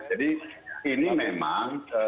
jadi ini memang